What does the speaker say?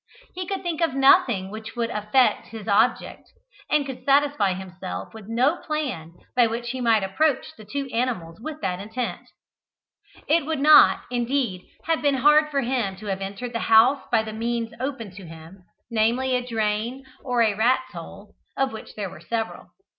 He could think of nothing which would effect his object, and could satisfy himself with no plan by which he might approach the two animals with that intent. It would not, indeed, have been hard for him to have entered the house by the means open to him, namely, a drain or a rat's hole, of which there were several.